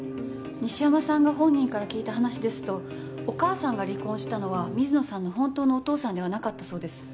西山さんが本人から聞いた話ですとお母さんが離婚したのは水野さんの本当のお父さんではなかったそうです。